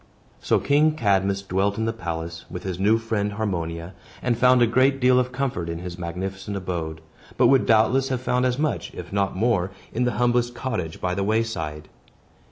So King Cadmus dwelt in the palace, with his new friend Harmonia, and found a great deal of comfort in his magnificent abode, but would doubtless have found as much, if not more, in the humblest cottage by the wayside.